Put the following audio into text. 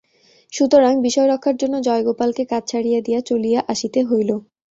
সুতরাং বিষয়রক্ষার জন্য জয়গোপালকে কাজ ছাড়িয়া দিয়া চলিয়া আসিতে হইল।